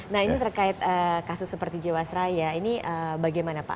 nah ini terkait kasus seperti jawa seraya ini bagaimana pak